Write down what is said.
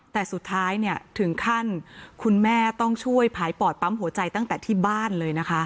แต่สุดท้ายถึงขั้นคุณแม่ต้องช่วยผายปอดปั๊มหัวใจตั้งแต่ที่บ้านเลยนะคะ